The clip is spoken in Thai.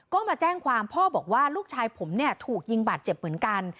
ก็มาแจ้งความพ่อบอกว่าลูกชายผมเนี่ยถูกยิงบาดเจ็บเหมือนกัน